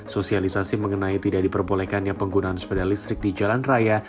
sosialisasi mengenai tidak diperbolehkannya penggunaan sepeda listrik di jalan raya